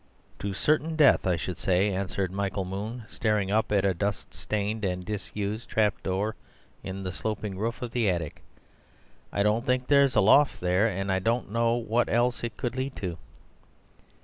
"To certain death, I should say," answered Michael Moon, staring up at a dust stained and disused trapdoor in the sloping roof of the attic. "I don't think there's a loft there; and I don't know what else it could lead to."